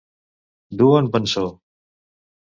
Dur en vençó.